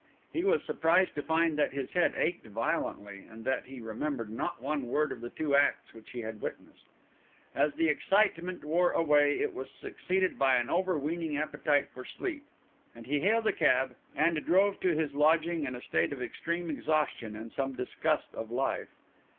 He was surprised to find that his head ached violently, and that he remembered not one word of the two acts which he had witnessed. As the excitement wore away, it was succeeded by an overweening appetite for sleep, and he hailed a cab and drove to his lodging in a state of extreme exhaustion and some disgust of life.